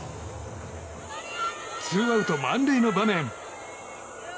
ツーアウト満塁の場面。